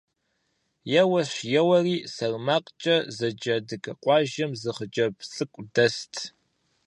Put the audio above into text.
Еуэщ-еуэри СэрмакъкӀэ зэджэ адыгэ къуажэм зы хъыджэбз цӀыкӀу дэст.